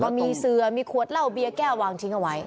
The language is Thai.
ก็มีเสือมีขวดเหล้าเบียร์แก้ววางทิ้งเอาไว้